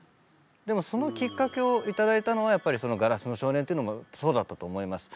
でもそのきっかけを頂いたのはやっぱりその「硝子の少年」というのもそうだったと思います。